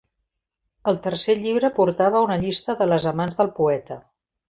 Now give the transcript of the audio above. El tercer llibre portava una llista de les amants del poeta.